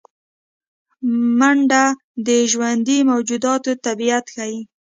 منډه د ژوندي موجوداتو طبیعت ښيي